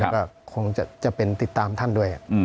ก็คงจะเป็นติดตามท่านด้วย